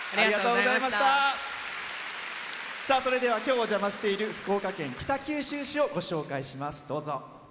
それでは今日、お邪魔している福岡県北九州市をご紹介します。